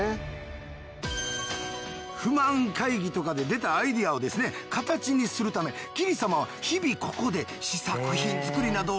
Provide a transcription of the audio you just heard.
不満会議とかで出たアイデアをですね形にするためキリ様は日々ここで試作品作りなどをしてるんだ。